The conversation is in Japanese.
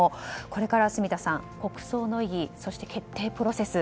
これから住田さん、国葬の意義そして決定プロセス